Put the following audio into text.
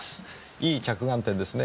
いい着眼点ですね。